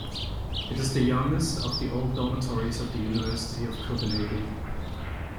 It is the youngest of the old dormitories of the University of Copenhagen.